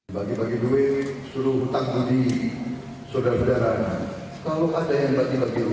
bagi bagi duit suruh tak budi saudara saudara kalau ada yang lagi lagi ruang terima alat itu